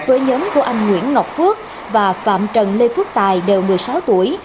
với nhóm của anh nguyễn ngọc phước và phạm trần lê phước tài đều một mươi sáu tuổi